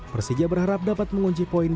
persija berharap dapat mengunci poin